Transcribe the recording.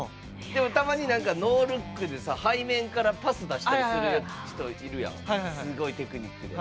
たまにノールックで背面からパス出したりする人いるやんすごいテクニックで。